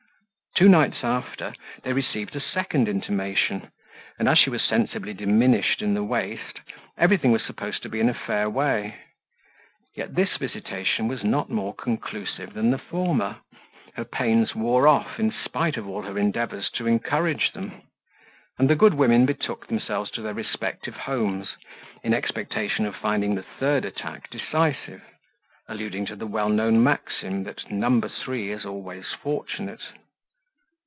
Two nights after they received a second intimation, and as she was sensibly diminished in the waist, everything was supposed to be in a fair way; yet this visitation was not more conclusive than the former; her pains wore off in spite of all her endeavours to encourage them, and the good women betook themselves to their respective homes, in expectation of finding the third attack decisive, alluding to the well known maxim, that "number three is always fortunate."